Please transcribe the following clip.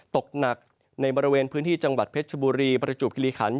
ตกหนักในบริเวณพื้นที่จังหวัดเพชรชบุรีประจวบคิริขัน